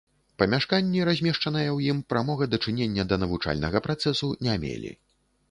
Памяшканні, размешчаныя ў ім, прамога дачынення да навучальнага працэсу не мелі.